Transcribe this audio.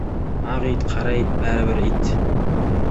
Ақ ит, қара ит — бәрі бір ит.